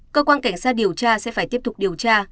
cơ quan cảnh sát điều tra sẽ phải tiếp tục điều tra